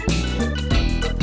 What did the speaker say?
terima kasih bang